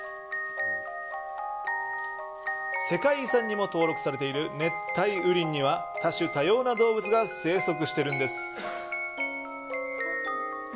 世界遺産にも登録されている熱帯雨林には多種多様な動物が生息しているんです。